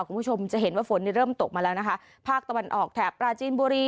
คุณผู้ชมจะเห็นว่าฝนเริ่มตกมาแล้วนะคะภาคตะวันออกแถบปราจีนบุรี